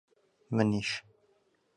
منیش.